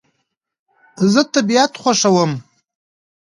زه طبیعت خوښوم